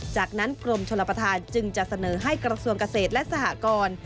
จากนั้นกรมชลประธานจึงจะเสนอให้กระทรวงเกษตรและสหกร